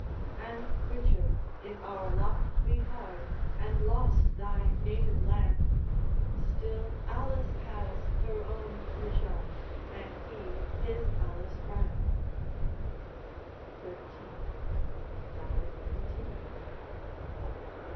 'And, Richard, if our lot be hard, And lost thy native land, Still Alice has her own Richard, And he his Alice Brand.' XIII. Ballad Continued.